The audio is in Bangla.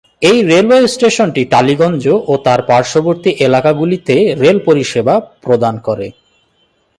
এই রেলওয়ে স্টেশনটি টালিগঞ্জ ও তার পার্শ্ববর্তী এলাকাগুলিতে রেল পরিষেবা প্রদান করে।